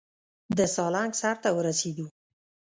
د سالنګ سر ته ورسېدو.